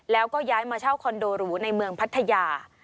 แล้วก็ย้ายมาเช่าคอนโดหรูในเมืองพัทยา